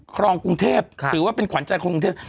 ครองกรุงเทพค่ะถือว่าเป็นขวัญจันทร์ของกรุงเทพ